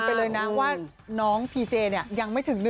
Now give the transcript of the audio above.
ก่อนทิ้งเด้อพ่อ